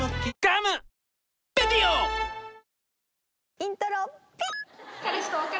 イントロピッ！